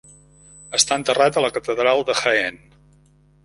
Està enterrat a la catedral de Jaén.